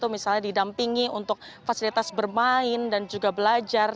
misalnya didampingi untuk fasilitas bermain dan juga belajar